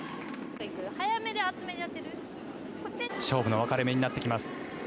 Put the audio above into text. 勝負のわかれ目になってきます。